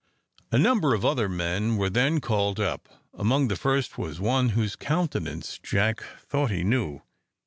A number of other men were then called up. Among the first was one whose countenance Jack thought he knew.